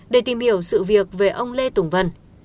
để tìm hiểu sự việc về ông lê tùng vân